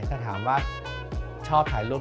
ถ้าถามว่าชอบถ่ายรูป